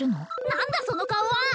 何だその顔は！